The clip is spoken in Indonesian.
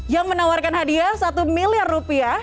yang menawarkan hadiah satu miliar rupiah